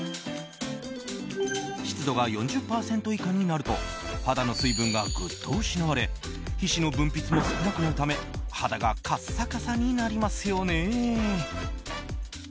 湿度が４０％以下になると肌の水分がグッと失われ皮脂の分泌も少なくなるため肌がカッサカサになりますよね。